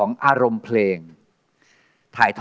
สวัสดีครับ